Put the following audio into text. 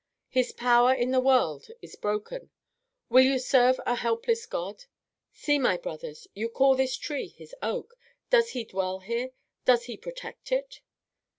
His power in the world is broken. Will you serve a helpless god? See, my brothers, you call this tree his oak. Does he dwell here? Does he protect it?"